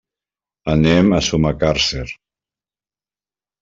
Anem a Sumacàrcer.